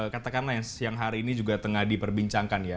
katakanlah yang siang hari ini juga tengah diperbincangkan ya